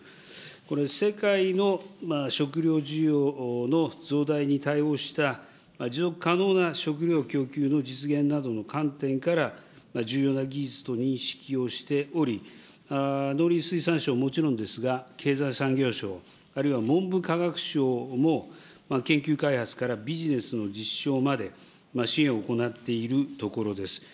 これ、世界の食料需要の増大に対応した持続可能な食料供給の実現などの観点から、重要な技術と認識をしており、農林水産省はもちろんですが、経済産業省、あるいは文部科学省も、研究開発からビジネスの実証まで支援を行っているところです。